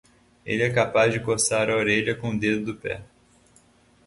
Ele é capaz de coçar a orelha com o dedo do pé.